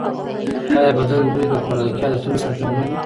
ایا بدن بوی د خوراکي عادتونو سره تړلی دی؟